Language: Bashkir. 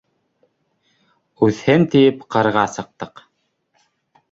Үҫһен тиеп кырға сыҡтык